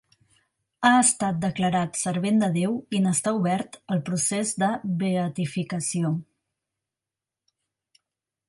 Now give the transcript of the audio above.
Ha estat declarat servent de Déu i n'està obert el procés de beatificació.